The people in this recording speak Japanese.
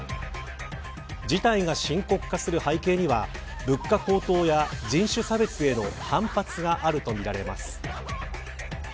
事態が深刻化する背景には物価高騰や人種差別への反発があるとみられます。